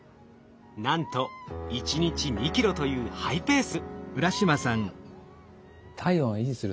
なんと１日２ｋｇというハイペース。